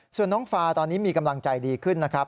ส่วนน้องฟาตอนนี้มีกำลังใจดีขึ้นนะครับ